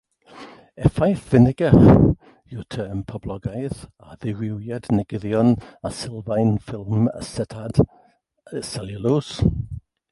Effaith finegr yw'r term poblogaidd ar ddirywiad negyddion ar sylfaen ffilm asetad seliwlos.